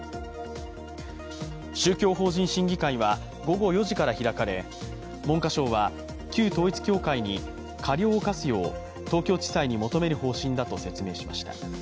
宗教法人審議会は午後４時から開かれ文科省は旧統一教会に過料を科すよう東京地裁に求める方針だと説明しました。